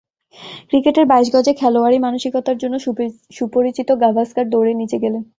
ক্রিকেটের বাইশ গজে খেলোয়াড়ি মানসিকতার জন্য সুপরিচিত গাভাস্কার দৌড়ে নিচে গেলেন।